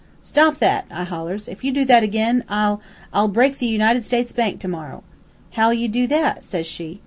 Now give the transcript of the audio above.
"'Stop that!' I hollers. 'If you do that again, I'll I'll break the United States Bank tomorrow!' "'How'll you do that?' says she.